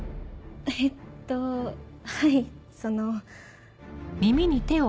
えっとはいその。